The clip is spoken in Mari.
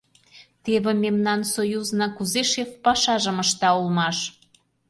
Теве мемнан Союзна кузе шеф пашажым ышта улмаш?